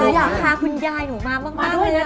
หนูอยากพาคุณยายหนูมามากด้วย